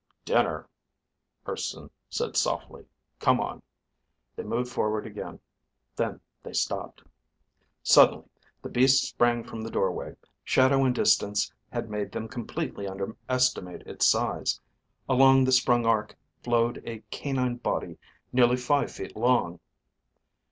"Dinner," Urson said softly. "Come on." They moved forward again. Then they stopped. Suddenly the beast sprang from the doorway. Shadow and distance had made them completely underestimate its size. Along the sprung arc flowed a canine body nearly five feet long.